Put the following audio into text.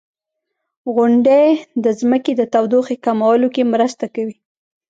• غونډۍ د ځمکې د تودوخې کمولو کې مرسته کوي.